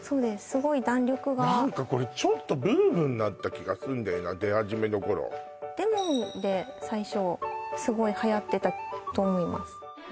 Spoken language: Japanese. すごい弾力が何かこれちょっとブームになった気がすんだよな出始めの頃レモンで最初すごいはやってたと思います